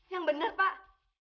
yang bener pak